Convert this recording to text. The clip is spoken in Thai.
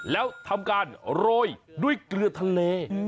แล้วทำการโรยด้วยเกลือทะเล